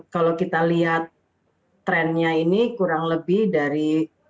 kalau kita lihat trennya ini kurang lebih dari